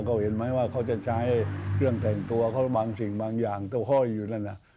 เขาเห็นไหมว่าเขาจะใช้เครื่องแต่งตัวเขาบางสิ่งบางอย่างเจ้าห้อยอยู่นั่นน่ะ